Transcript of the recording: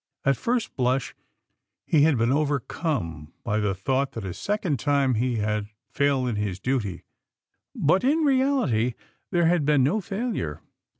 At first blush, he had been overcome by the thought that a second time he had failed in his duty, but in reality there had been no failure.